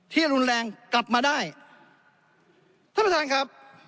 ที่รุนแรงกลับมาได้ท่านประธานครับ